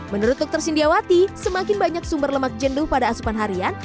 menurut dokter sindiawati semakin banyak sumber lemak jenduh pada asupan harian